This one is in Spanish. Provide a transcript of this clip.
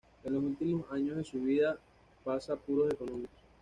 En los últimos años de su vida pasa apuros económicos.